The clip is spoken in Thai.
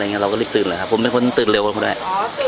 และอันดับสุดท้ายประเทศอเมริกา